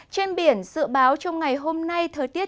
trên biển dự báo trong ngày hôm nay